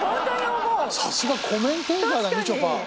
コメンテーターだみちょぱ。